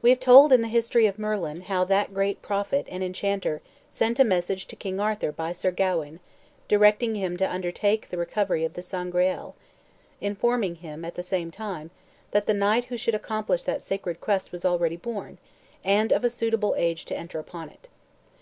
We have told in the history of Merlin how that great prophet and enchanter sent a message to King Arthur by Sir Gawain, directing him to undertake the recovery of the Sangreal, informing him at the same time that the knight who should accomplish that sacred quest was already born, and of a suitable age to enter upon it.